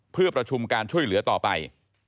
เพื่อประชุมการช่วยเหลือต่อไป